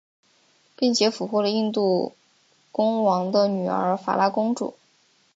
并且俘获了印度公王的女儿法拉公主。